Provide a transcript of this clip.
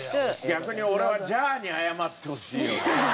逆に俺はジャーに謝ってほしいよね。